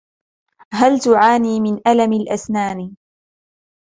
هل تعاني من الم الاسنان